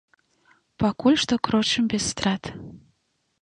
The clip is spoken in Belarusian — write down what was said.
Пакуль што крочым без страт.